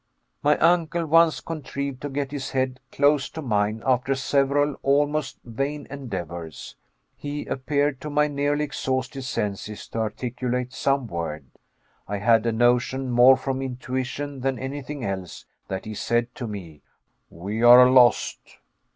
My uncle once contrived to get his head close to mine after several almost vain endeavors. He appeared to my nearly exhausted senses to articulate some word. I had a notion, more from intuition than anything else, that he said to me, "We are lost."